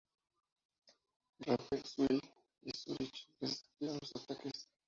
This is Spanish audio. Rapperswil y Zúrich resistieron los ataques.